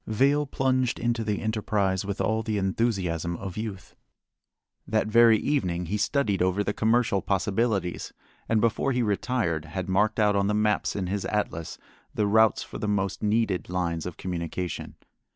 Vail plunged into the enterprise with all the enthusiasm of youth. That very evening he studied over the commercial possibilities, and before he retired had marked out on the maps in his atlas the routes for the most needed lines of communication.